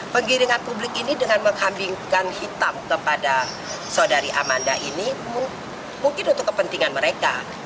penggiringan publik ini dengan menghambingkan hitam kepada saudari amanda ini mungkin untuk kepentingan mereka